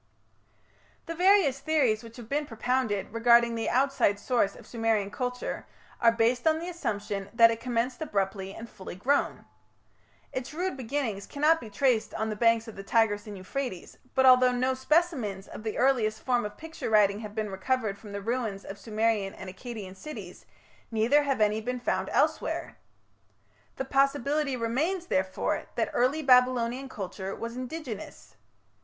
The various theories which have been propounded regarding the outside source of Sumerian culture are based on the assumption that it commenced abruptly and full grown. Its rude beginnings cannot be traced on the banks of the Tigris and Euphrates, but although no specimens of the earliest form of picture writing have been recovered from the ruins of Sumerian and Akkadian cities, neither have any been found elsewhere. The possibility remains, therefore, that early Babylonian culture was indigenous.